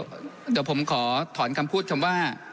เดี๋ยวผมขอถอนคำพูดคำว่า